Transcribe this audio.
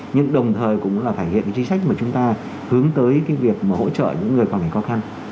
nhưng đồng thời cũng là thể hiện chính sách mà chúng ta hướng tới việc hỗ trợ những người có khó khăn